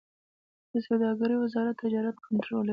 د سوداګرۍ وزارت تجارت کنټرولوي